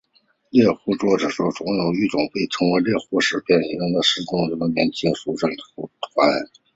猎户座大星云中央有一个被称为猎户四边形星团四合星的年轻疏散星团。